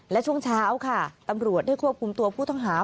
และช่วงเช้าค่ะตำรวจได้ควบคุมตัวผู้ต้องหา